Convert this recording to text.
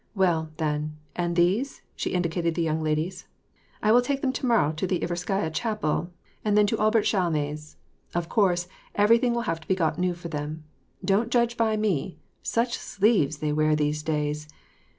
Well, then, and these ?" she indicated the young ladies. " I will take them to morrow to the Iverskaya chapel, and then to Aubert Chalme's. Of course, everything will have to be got new for them. Don't judge by me 1 Such sleeves they wear these days